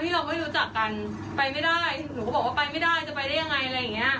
เราไม่รู้จักกันไปไม่ได้หนูก็บอกว่าไปไม่ได้จะไปได้ยังไงอะไรอย่างเงี้ย